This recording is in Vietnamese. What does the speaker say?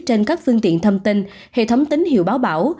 trên các phương tiện thông tin hệ thống tín hiệu báo bảo